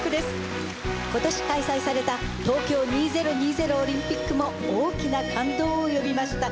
今年開催された東京２０２０オリンピックも大きな感動を呼びました。